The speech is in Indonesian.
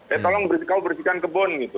eh tolong kau bersihkan kebun gitu